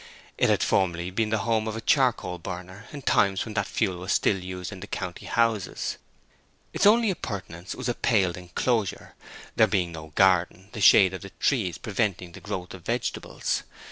It had formerly been the home of a charcoal burner, in times when that fuel was still used in the county houses. Its only appurtenance was a paled enclosure, there being no garden, the shade of the trees preventing the growth of vegetables.